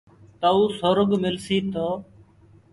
تئوٚ سُرگ ملسيٚ، تو